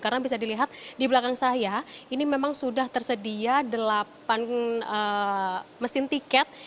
karena bisa dilihat di belakang saya ini memang sudah tersedia delapan mesin tiket